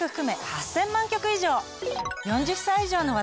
４０歳以上の私